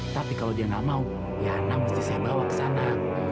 tapi kalau dia gak mau yana mesti saya bawa ke sana